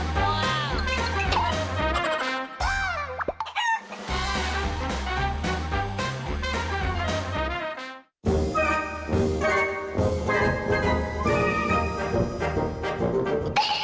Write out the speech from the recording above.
ว้าว